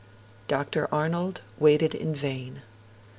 Dr. Arnold waited in vain.